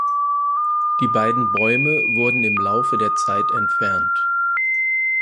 Die beiden Bäume wurden im Laufe der Zeit entfernt.